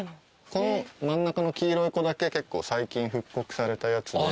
この真ん中の黄色い子だけ結構最近復刻されたやつで。